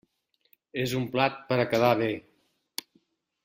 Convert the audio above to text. És un plat per a quedar bé.